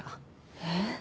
えっ？